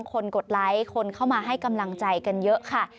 กดไลค์คนเข้ามาให้กำลังใจกันเยอะค่ะ